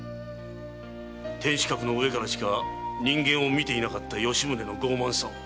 天守閣の上からしか人間を見ていなかった吉宗の傲慢さを。